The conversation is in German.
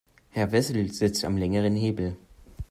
Herr Wessel sitzt am längeren Hebel.